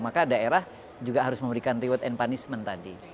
maka daerah juga harus memberikan reward and punishment tadi